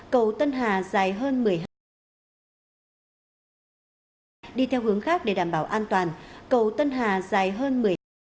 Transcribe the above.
cầu tân hà dài hơn một mươi hai km